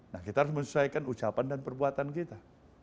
nah kita harus menyesuaikan ucapan dan perbuatan kita